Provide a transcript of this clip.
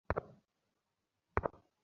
জল উত্তপ্ত করে ফিল্টার করা হউক।